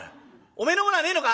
おめえのものはねえのか？」。